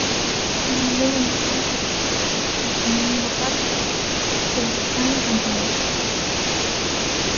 Cando ven un plan que respecta a autonomía local, pois están encantados.